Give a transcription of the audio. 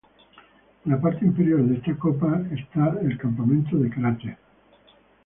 En la parte inferior de esta copa es el campamento de 'cráter'".